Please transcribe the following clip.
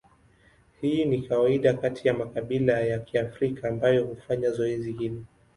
Hii ni kawaida kati ya makabila ya Kiafrika ambayo hufanya zoezi hili.